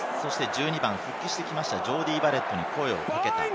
１２番、復帰してきたジョーディー・バレットに声をかけた。